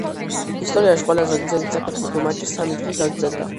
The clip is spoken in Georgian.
ისტორიაში ყველაზე გრძელი საფეხბურთო მატჩი სამი დღე გაგრძელდა.